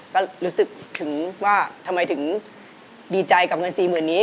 ก็รู้สึกถึงว่าทำไมถึงดีใจกับเงิน๔๐๐๐นี้